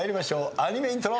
アニメイントロ。